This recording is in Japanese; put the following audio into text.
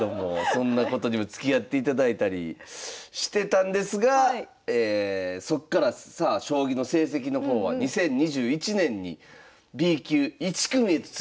そんなことにもつきあっていただいたりしてたんですがそっからさあ将棋の成績の方は２０２１年にＢ級１組へとついに昇級されて。